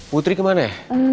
putri kemana ya